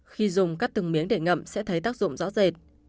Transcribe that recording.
khi dùng cắt từng miếng để ngậm sẽ thấy tác dụng rõ rệt